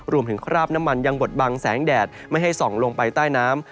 คราบน้ำมันยังบดบังแสงแดดไม่ให้ส่องลงไปใต้น้ำ